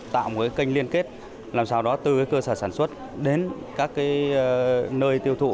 tạo một kênh liên kết làm sao đó từ cơ sở sản xuất đến các nơi tiêu thụ